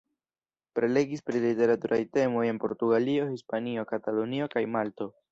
Prelegis pri literaturaj temoj en Portugalio, Hispanio, Katalunio kaj Malto.